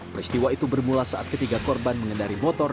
peristiwa itu bermula saat ketiga korban mengendari motor